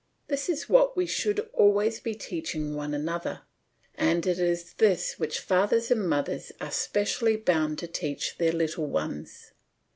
This is what we should always be teaching one another, and it is this which fathers and mothers are specially bound to teach their little ones.